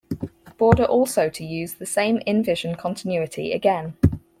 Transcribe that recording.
Border also to use the same in-vision continuity again.